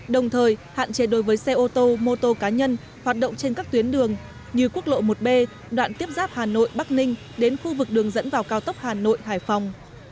đồng thời hạn chế đối với xe ô tô mô tô cá nhân hoạt động trên các tuyến đường như quốc lộ một b đoạn tiếp giáp hà nội bắc ninh đến khu vực đường dẫn vào cao tốc hà nội hải phòng